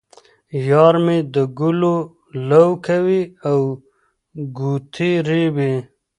یار مې د ګلو لو کوي او ګوتې رېبي.